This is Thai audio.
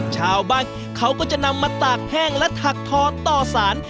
ชาวบ้านเขาก็จะนำมาตากแห้งและถักทอต่อสาร